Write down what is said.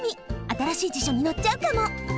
あたらしい辞書にのっちゃうかも！